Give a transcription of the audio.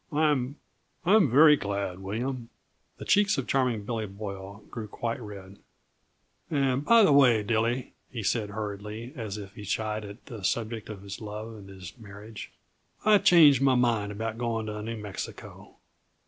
I'm I'm very glad, William." The cheeks of Charming Billy Boyle grew quite red. "And, by the way, Dilly," he said hurriedly, as if he shied at the subject of his love and his marriage, "I've changed my mind about going to New Mexico.